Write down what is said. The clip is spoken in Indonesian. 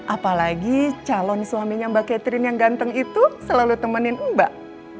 apalagi calon suaminya mbak catherine yang ganteng itu selalu temenin mbak